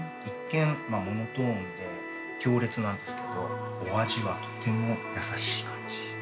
一見モノトーンで強烈なんですけどお味はとても優しい感じ。